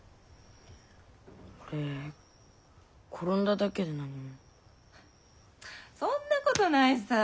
俺転んだだけで何も。そんなことないさ！